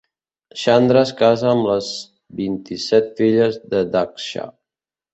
Chandra es casa amb les vint-i-set filles de Daksha.